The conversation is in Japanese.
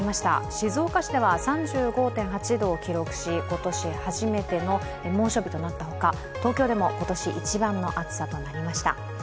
静岡市では３５．８度を記録し、今年初めての猛暑日となったほか、東京でも今年一番の暑さとなりました。